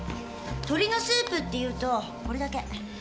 鶏のスープっていうとこれだけ。